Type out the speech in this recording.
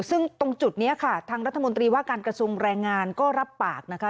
ซึ่งตรงจุดนี้ค่ะทางรัฐมนตรีว่าการกระทรวงแรงงานก็รับปากนะคะ